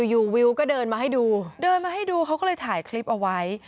อยู่วิวก็เดินมาให้ดูเขาก็เลยถ่ายคลิปเอาไว้